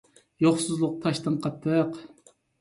يوقسۇزلۇق تاشتىن قاتتىق.